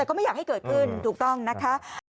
ก็ไม่อยากให้เกิดขึ้นถูกต้องนะคะ